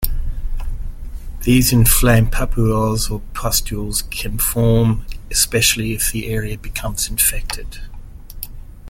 These inflamed papules or pustules can form especially if the area becomes infected.